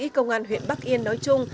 chiến sĩ công an huyện bắc yên nói chung